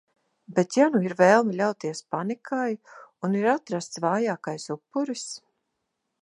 Bet, ja nu ir vēlme ļauties panikai... un ir atrasts vājākais upuris...